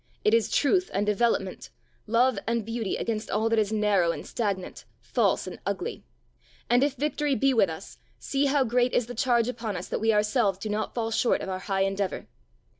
It is truth and development, love and beauty against all that is narrow and stagnant, false and ugly. And if victory be with us, see how great is the charge upon us that we ourselves do not fall short of our high endeavour.